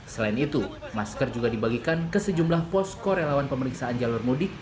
selain itu masker juga dibagikan ke sejumlah posko relawan pemeriksaan jalur mudik